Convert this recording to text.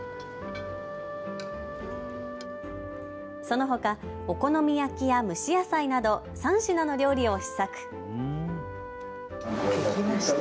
そのほかお好み焼きや蒸し野菜など３品の料理を試作。